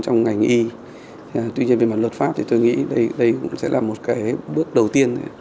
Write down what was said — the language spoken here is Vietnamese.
trong ngành y tuy nhiên về mặt luật pháp thì tôi nghĩ đây cũng sẽ là một cái bước đầu tiên